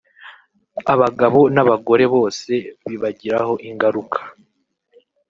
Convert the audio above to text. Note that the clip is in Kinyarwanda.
abagabo n’abagore bose bibagiraho ingaruka”